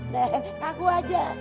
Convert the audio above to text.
deng kagak aja